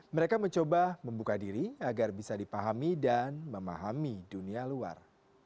mereka mencoba membuka diri agar bisa dipahami dan memahami dunia luar